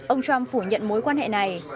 ông trump phủ nhận mối quan hệ này